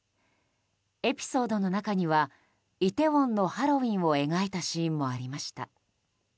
エピソードの中にはイテウォンのハロウィーンを描いたシーンもありました。